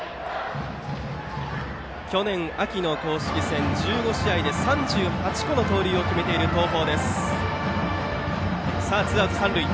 去年秋の公式戦１５試合で３８個の盗塁を決めている東邦。